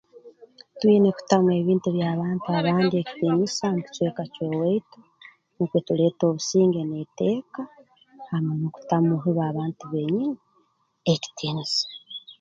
Twine kutamu ebintu by'abantu abandi ekitiinisa mu kicweka ky'owaitu tuleete obusinge n'eteeka hamu n'okutamu hubo abantu benyini ekitiinisa